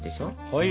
はい！